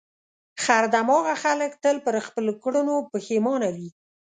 خر دماغه خلک تل پر خپلو کړنو پښېمانه وي.